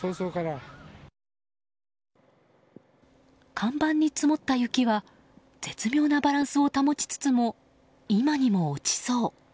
看板に積もった雪は絶妙なバランスを保ちつつも今にも落ちそう。